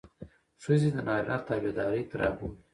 ښځې د نارينه تابعدارۍ ته رابولي.